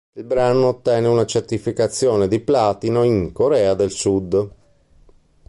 Il brano ottenne una certificazione di platino in Corea del Sud.